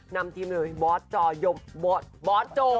นำทีมเลยบอสจบอสโจ